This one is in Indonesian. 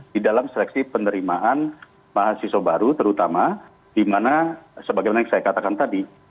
di dalam seleksi penerimaan mahasiswa baru terutama di mana sebagaimana yang saya katakan tadi